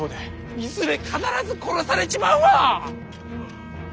いずれ必ず殺されちまうわ！